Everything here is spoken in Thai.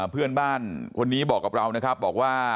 เพื่อนบ้านคนนี้บอกกับเรานะครับบอกว่า